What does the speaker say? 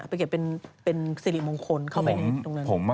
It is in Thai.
ไปเก็บเป็นสิริมงคลเข้าไปในตรงนั้น